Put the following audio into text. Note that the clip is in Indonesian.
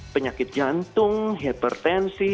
penyakit jantung hipertensi